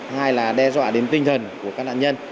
hai là đe dọa đến tinh thần của các nạn nhân